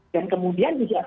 dan kemudian juga